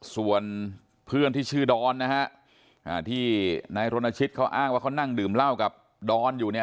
ส่วนเพื่อนที่ชื่อดอนนะฮะที่นายรณชิตเขาอ้างว่าเขานั่งดื่มเหล้ากับดอนอยู่เนี่ย